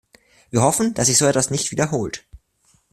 Wir hoffen, dass sich so etwas nicht wiederholt!